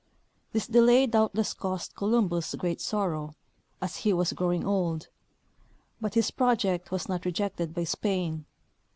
This delay doubtless caused Columbus great sorrow, as he was growing old; but his project was not rejected by Spain.